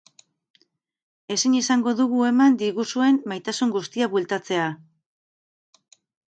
Ezin izango dugu eman diguzuen maitasun guztia bueltatzea.